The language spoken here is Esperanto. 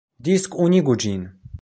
Diskunigu ĝin!